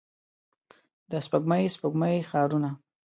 د سپوږمۍ، سپوږمۍ ښارونو